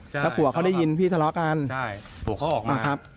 แล้วผัวเขาได้ยินพี่ทะเลาะกันผัวเขาออกมาครับ